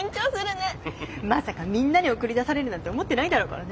まさかみんなに送り出されるなんて思ってないだろうからね。